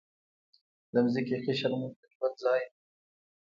د ځمکې قشر مو د ژوند ځای دی.